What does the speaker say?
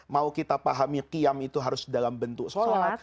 mau kita pahami kiam itu harus dalam bentuk sholat